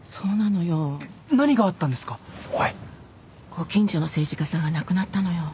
ご近所の政治家さんが亡くなったのよ。